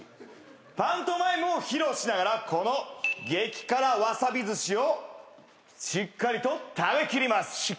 パントマイムを披露しながらこの激辛わさび寿司をしっかりと食べ切ります。